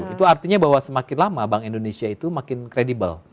itu artinya bahwa semakin lama bank indonesia itu makin kredibel